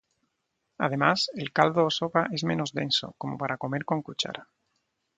Además, el caldo o sopa es menos denso, como para comer con cuchara.